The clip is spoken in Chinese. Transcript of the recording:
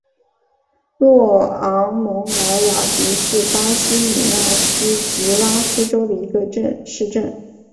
若昂蒙莱瓦迪是巴西米纳斯吉拉斯州的一个市镇。